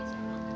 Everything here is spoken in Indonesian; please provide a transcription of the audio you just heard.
is dan nama